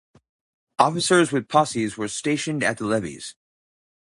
Officers with posses were stationed at the levees.